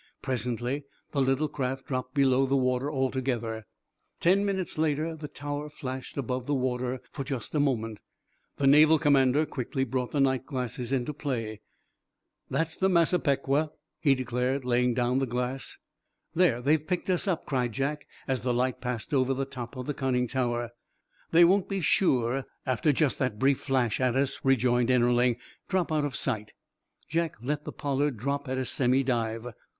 Presently the little craft dropped below the water altogether. Ten minutes later the tower flashed above the water for just a moment. The Naval commander quickly brought the night glass into play. "That's the 'Massapequa,'" he declared, laying down the glass. "There, they've picked us up," cried Jack, as the light passed over the top of the conning tower. "They won't be sure after just that brief flash at us," rejoined Ennerling. "Drop out of sight." Jack let the "Pollard" drop at a semi dive.